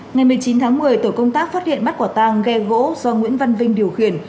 ngày một mươi chín tháng một mươi tổ công tác phát hiện bắt quả tang ghe gỗ do nguyễn văn vinh điều khiển